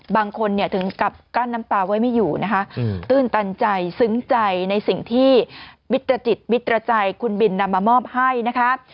บางคนเนี่ยถึงกับกั้นน้ำตาไว้ไม่อยู่นะคะตื้นตันใจซึ้งใจในสิ่งที่มิตรจิตมิตรใจคุณบินนำมามอบให้นะคะ